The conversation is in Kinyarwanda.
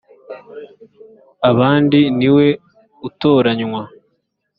abandi ni we utoranywa